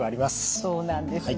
そうなんですね。